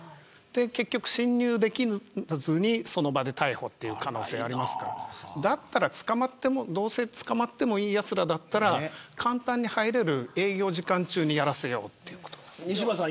結局侵入できずにその場で逮捕という可能性もありますからどうせ捕まってもいい奴らなら簡単に入れる営業時間中にやらせようということ。